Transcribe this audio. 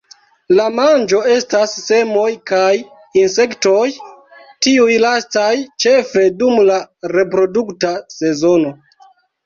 La manĝo estas semoj kaj insektoj, tiuj lastaj ĉefe dum la reprodukta sezono.